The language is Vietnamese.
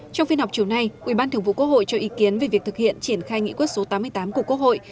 trong phiên họp chiều nay ủy ban thường vụ quốc hội cho ý kiến về việc thực hiện triển khai nghị quyết số tám mươi tám của quốc hội